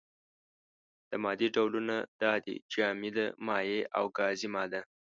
د مادې ډولونه دا دي: جامده، مايع او گازي ماده.